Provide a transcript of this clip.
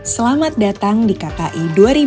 selamat datang di kki dua ribu dua puluh